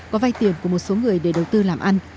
có vay tiền của một số người để đầu tư làm ăn